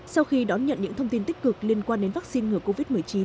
sau khi đón nhận những thông tin tích cực liên quan đến vaccine ngừa covid một mươi chín